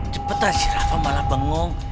cepetan sih rafa malah bengong